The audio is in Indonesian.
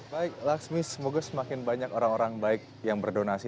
baik laksmi semoga semakin banyak orang orang baik yang berdonasi